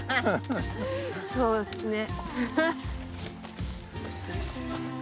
そうっすね。